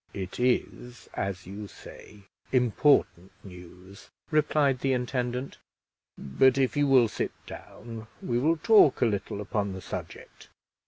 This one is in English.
"It is, as you say, important news," replied the intendant; "but if you will sit down, we will talk a little upon the subject."